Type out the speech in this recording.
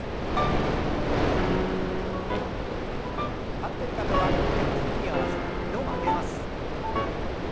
立ってる方は腕の振りに合わせて２度曲げます。